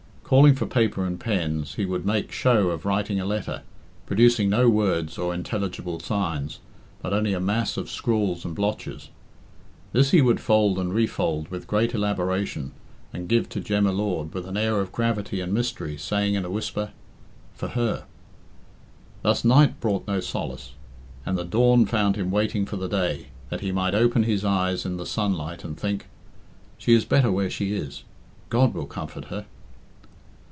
Calling for paper and pens, he would make show of writing a letter, producing no words or intelligible signs, but only a mass of scrawls and blotches. This he would fold and refold with great elaboration, and give to Jem y Lord with an air of gravity and mystery, saying in a whisper, "For her!" Thus night brought no solace, and the dawn found him waiting for the day, that he might open his eyes in the sunlight and think, "She is better where she is; God will comfort her."